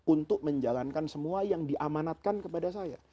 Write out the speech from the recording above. untuk menjalankan semua yang diamanatkan kepada saya